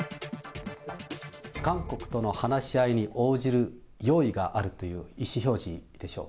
韓国との話し合いに応じる用意があるという意思表示でしょう。